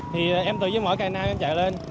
thì em tự với mỗi cài năng em chạy lên